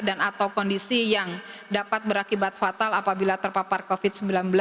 dan atau kondisi yang dapat berakibat fatal apabila terpapar covid sembilan belas